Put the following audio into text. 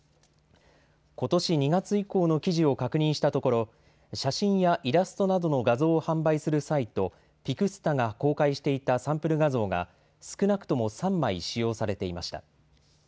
ことし２月以降の記事を確認したところ、写真やイラストなどの画像を販売するサイト、ＰＩＸＴＡが公開していたサンプル画像が、少なくとも３枚、使用されていました。